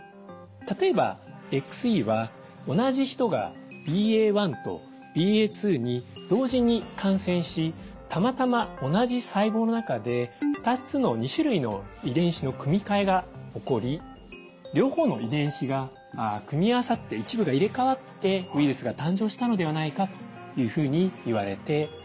例えばＸＥは同じ人がＢＡ．１とＢＡ．２に同時に感染したまたま同じ細胞の中で２つの２種類の遺伝子の組み替えが起こり両方の遺伝子が組み合わさって一部が入れ替わってウイルスが誕生したのではないかというふうにいわれています。